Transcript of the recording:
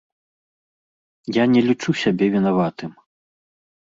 Я не лічу сябе вінаватым.